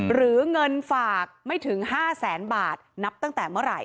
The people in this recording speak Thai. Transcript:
หรือเงินฝากไม่ถึง๕แสนบาทนับตั้งแต่เมื่อไหร่